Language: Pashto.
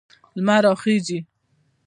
لمر راخیږي